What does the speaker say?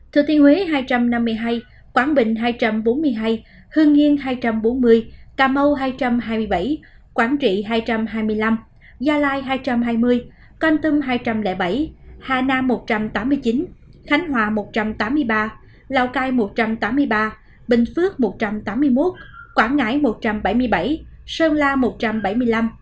thừa thiên huế hai trăm năm mươi hai quảng bình hai trăm bốn mươi hai hương nghiên hai trăm bốn mươi cà mau hai trăm hai mươi bảy quảng trị hai trăm hai mươi năm gia lai hai trăm hai mươi con tâm hai trăm linh bảy hà nam một trăm tám mươi chín khánh hòa một trăm tám mươi ba lào cai một trăm tám mươi ba bình phước một trăm tám mươi một quảng ngãi một trăm bảy mươi bảy